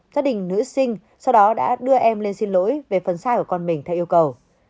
gia đình nữ sinh sau đó đã đưa em lên xin lỗi về phần sai của con mình theo yêu cầu